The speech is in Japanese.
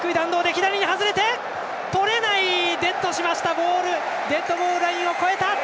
ボールがデッドボールラインを越えた！